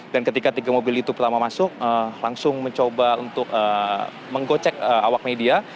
dan ketika tiga mobil itu pertama masuk langsung mencoba untuk menggocek awak media